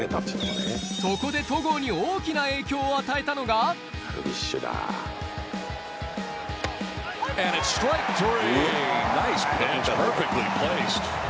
そこで戸郷に大きな影響を与えたのがストライク３。